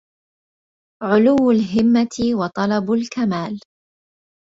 علو الهمة وطلب الكمال